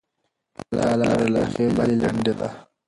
دا لار له هغې بلې لنډه ده.